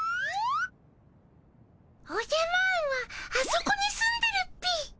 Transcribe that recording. おじゃマーンはあそこに住んでるっピ。